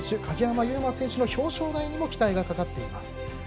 鍵山優真選手の表彰台にも期待がかかっています。